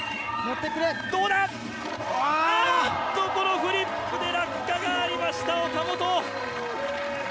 フリップで落下がありました岡本！